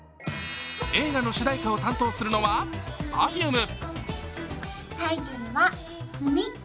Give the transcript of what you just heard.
映画の主題かを担当するのはＰｅｒｆｕｍｅ。